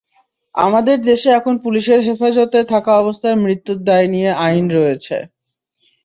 আমাদের দেশে এখন পুলিশের হেফাজতে থাকা অবস্থায় মৃত্যুর দায় নিয়ে আইন রয়েছে।